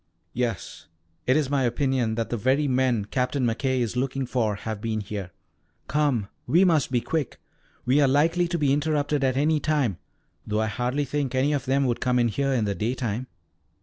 "Yes. It is my opinion that the very men Captain McKay is looking for have been here. Come, we must be quick! We are likely to be interrupted at any time, though I hardly think any of them would come here in the daytime."